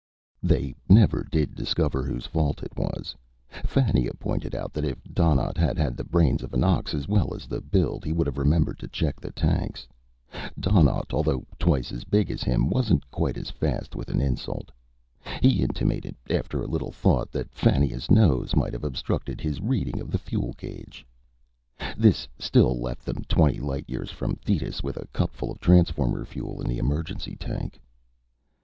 _ They never did discover whose fault it was. Fannia pointed out that if Donnaught had had the brains of an ox, as well as the build, he would have remembered to check the tanks. Donnaught, although twice as big as him, wasn't quite as fast with an insult. He intimated, after a little thought, that Fannia's nose might have obstructed his reading of the fuel gauge. This still left them twenty light years from Thetis, with a cupful of transformer fuel in the emergency tank.